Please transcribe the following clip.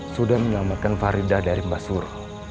sudah menyelamatkan faridah dari basur